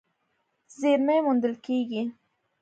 زېرمې موندل کېږي.